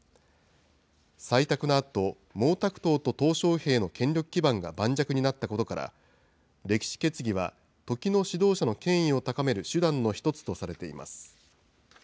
採択のあと、毛沢東ととう小平の権力基盤が盤石になったことから、歴史決議は時の指導者の権威を高める手段の一つとされています。